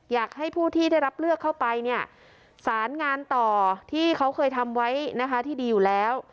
อยากให้ผู้ที่ได้ตั้งเลือกเข้าสารงานต่อที่เค้าเคยทำไว้ที่ดีอยู่แล้ว